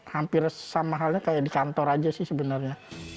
hampir sama halnya kayak di kantor saja sebenarnya